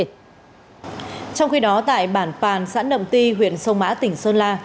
trong khi đó tại bản bàn sãn đậm ti huyện sông mã tỉnh sơn la